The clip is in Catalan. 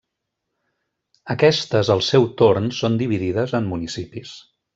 Aquestes, al seu torn, són dividides en municipis.